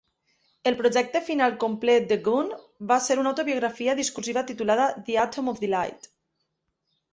El projecte final complet de Gunn va ser una autobiografia discursiva titulada "The Atom of Delight".